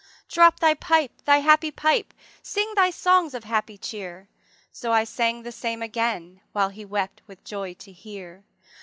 ``Drop thy pipe, thy happy pipe; Sing thy songs of happy chear:'' So I sung the same again, While he wept with joy to hear.